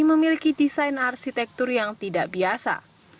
memiliki desain arsitektur yang tidak biasa